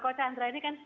tidak terlalu jauh